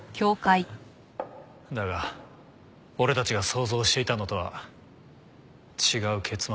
だが俺たちが想像していたのとは違う結末だった。